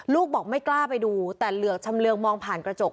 ลูกบอกไม่กล้าไปดูแต่เหลือกชำเรืองมองผ่านกระจก